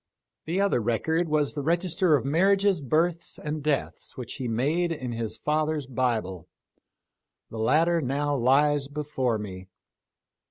5 Other record was the register of marriages, births, and deaths which he made in his father's Bible. The latter now lies before me.